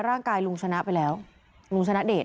ลุงชนะไปแล้วลุงชนะเดช